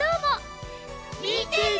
みてね！